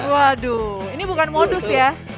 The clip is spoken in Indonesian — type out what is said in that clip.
waduh ini bukan modus ya